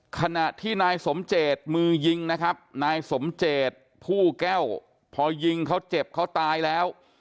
ขณะที่นายสมเจตมือยิงนะครับนายสมเจตผู้แก้วพอยิงเขาเจ็บเขาตายแล้ว